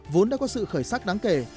vốn đã có sự khởi sắc đáng kể